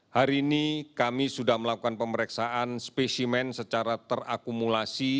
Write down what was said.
hari ini kami sudah melakukan pemeriksaan spesimen secara terakumulasi